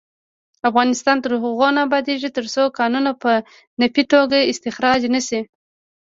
افغانستان تر هغو نه ابادیږي، ترڅو کانونه په فني توګه استخراج نشي.